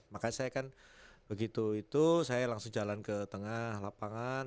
makanya saya kan begitu itu saya langsung jalan ke tengah lapangan